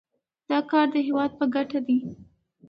دا کار د هیواد په ګټه دی.